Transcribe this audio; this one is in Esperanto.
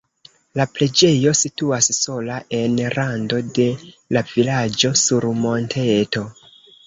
La preĝejo situas sola en rando de la vilaĝo sur monteto.